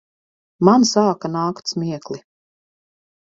Man sāka nākt smiekli.